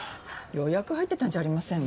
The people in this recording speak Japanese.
予約入ってたんじゃありません？